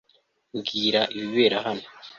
Mbwira ibibera hano